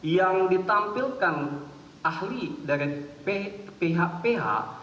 yang ditampilkan ahli dari pihak pihak